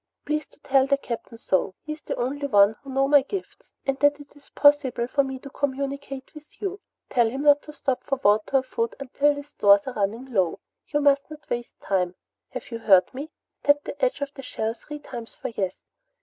Please to tell the Captain so; he is the only one to know of my gifts and that it is possible for me to communicate with you. Tell him not to stop for water or food until his stores are running low. You must not waste time. Have you heard me? Tap the edge of the shell three times for 'Yes.'"